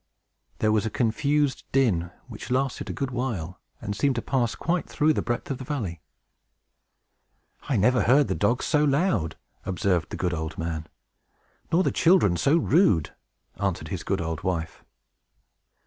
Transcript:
There was a confused din, which lasted a good while, and seemed to pass quite through the breadth of the valley. "I never heard the dogs so loud!" observed the good old man. "Nor the children so rude!" answered his good old wife.